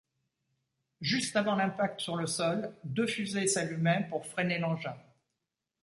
Juste avant l'impact sur le sol, deux fusées s'allumaient pour freiner l'engin.